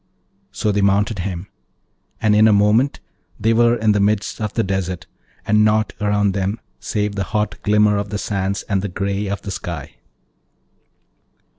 So they mounted him, and in a moment they were in the midst of the desert, and naught round them save the hot glimmer of the sands and the grey of the sky.